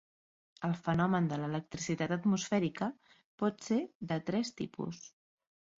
El fenomen de l'electricitat atmosfèrica pot ser de tres tipus.